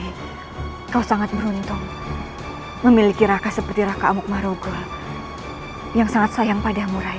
hai rai kau sangat beruntung memiliki raka seperti raka amuk marugol yang sangat sayang padamu rai